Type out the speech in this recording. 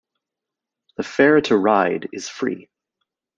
The fare to ride is free.